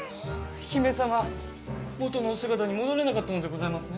姫様元のお姿に戻れなかったのでございますね。